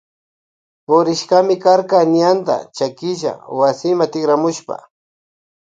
Purishkami karka ñanta chakilla wasima tikramushpa.